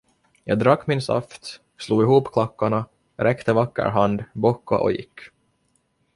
Jag drack min saft, slog ihop klackarna, räckte vacker hand, bockade och gick.